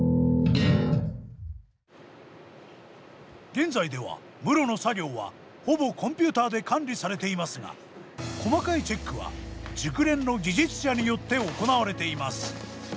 現在では室の作業はほぼコンピューターで管理されていますが細かいチェックは熟練の技術者によって行われています。